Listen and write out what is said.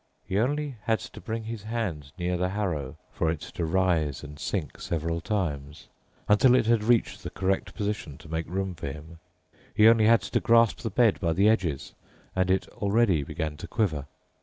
He only had to bring his hand near the harrow for it to rise and sink several times, until it had reached the correct position to make room for him. He only had to grasp the bed by the edges, and it already began to quiver.